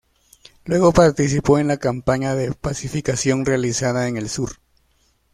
Luego participó en la campaña de pacificación realizada en el sur.